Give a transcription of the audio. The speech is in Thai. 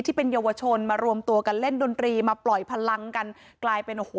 ที่เป็นเยาวชนมารวมตัวกันเล่นดนตรีมาปล่อยพลังกันกลายเป็นโอ้โห